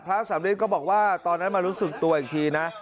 พระศัลริย์ก็บอกว่าตอนนั้นมารู้สึกตัวอีกทีนะ